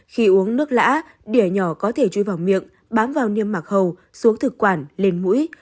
khi uống nước lã đỉa nhỏ có thể chui vào miệng bám vào niêm mạc hầu xuống thực quản lên mũi